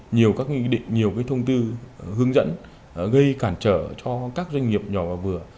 nhiều các cái thông tư hướng dẫn gây cản trở cho các doanh nghiệp nhỏ và vừa